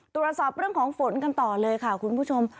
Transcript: ตรวจสอบเรื่องของฝนกันต่อเลยค่ะคุณผู้ชม